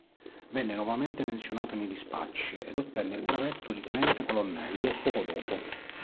Venne nuovamente menzionato nei dispacci ed ottenne il brevetto di Tenente Colonnello poco dopo.